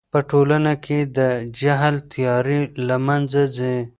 په ټولنه کې د جهل تیارې له منځه ځي.